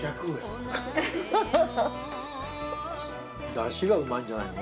だしがうまいんじゃないの？